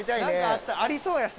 ありそうやし。